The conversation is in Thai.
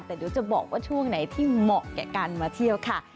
แต่เดี๋ยวจะบอกว่าช่วงไหนที่เหมาะแก่การมาเที่ยวค่ะ